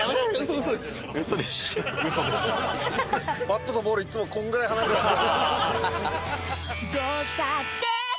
バットとボールいつもこれぐらい離れてました。